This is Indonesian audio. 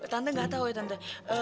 tante gak tahu ya tante